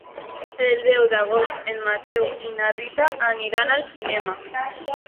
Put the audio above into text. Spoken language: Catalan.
El deu d'agost en Mateu i na Rita aniran al cinema.